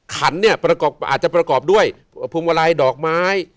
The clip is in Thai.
ขันอาจจะประกอบด้วยพุมวะลายดอกไม้